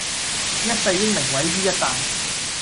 一世英名毀於一旦